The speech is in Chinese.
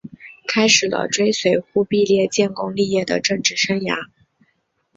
开始了追随忽必烈建功立业的政治生涯。